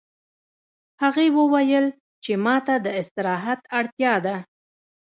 هغې وویل چې ما ته د استراحت اړتیا ده